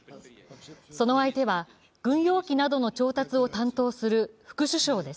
その相手は軍用機などの調達を担当する副首相です。